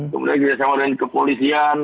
kemudian kerjasama dengan kepolisian